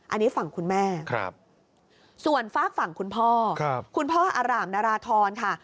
อันนี้ฝั่งคุณแม่ครับส่วนฟากฝั่งคุณพ่อครับคุณพ่ออร่ามนรทรค่ะ